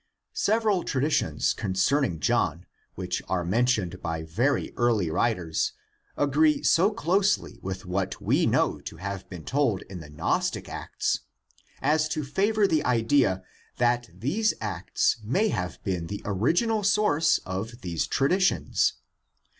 Several traditions concerning John, which are mentioned by very early writers, agree so closely with what we know to have been told in the Gnostic Acts as to favor the idea that these Acts may have been the original source of these traditions.